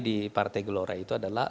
di partai gelora itu adalah